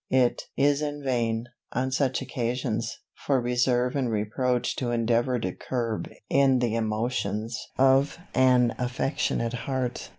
It is in vain, on such occasions, for reserve and reproach to endeavour to curb in the emotions of an affectionate heart.